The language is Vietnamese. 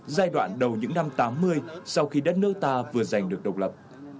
giai đoạn đầu những năm tám mươi sau khi đất nước ta vừa giành được độc lập